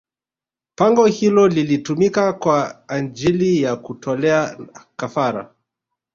Pango hilo lilitumika kwa ajili ya kutolea kafara